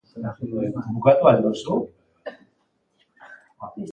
Bukatu al duzu?